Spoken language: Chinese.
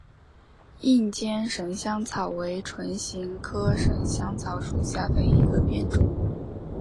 硬尖神香草为唇形科神香草属下的一个变种。